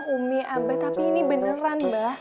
umi abah tapi ini beneran mbak